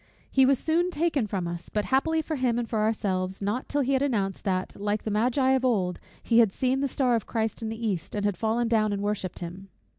He was soon taken from us; but happily for him and for ourselves, not till he had announced, that, like the Magi of old, he had seen the star of Christ in the East, and had fallen down and worshipped him.